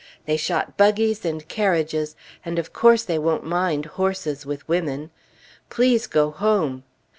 They shot buggies and carriages, and of course they won't mind horses with women! Please go home!"